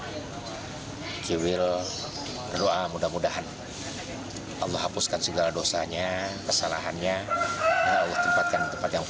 jadi kiwil berdoa mudah mudahan